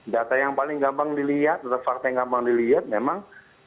data yang paling gampang dilihat atau fakta yang gampang dilihat memang